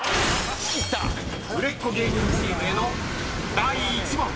［売れっ子芸人チームへの第１問］